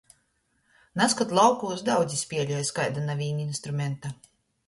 Nazkod laukūs daudzi spieļuoja iz kaida naviņ instrumenta.